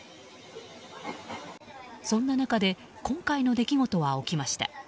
そんな中で今回の出来事は起きました。